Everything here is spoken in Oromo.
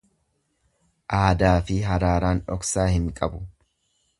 Aadaafi haraaraan dhoksaa hin qabu.